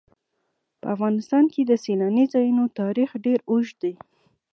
په افغانستان کې د سیلاني ځایونو تاریخ ډېر اوږد دی.